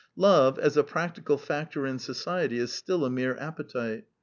Love, as a practical factor in society, is still a mere appetite.